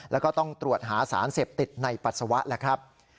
แล้วก็ต้องตรวจหาสารเสพติดในปัสสาวะแล้วครับ